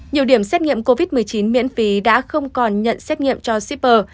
nhiều điểm xét nghiệm covid một mươi chín miễn phí đã không còn nhận xét nghiệm cho shipper